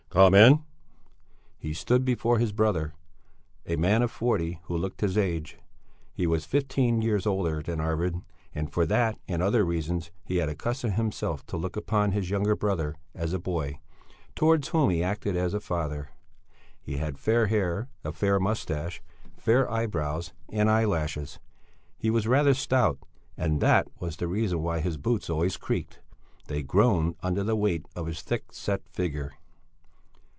"Come in!" He stood before his brother, a man of forty who looked his age. He was fifteen years older than Arvid, and for that and other reasons he had accustomed himself to look upon his younger brother as a boy towards whom he acted as a father. He had fair hair, a fair moustache, fair eyebrows, and eye lashes. He was rather stout, and that was the reason why his boots always creaked; they groaned under the weight of his thick set figure.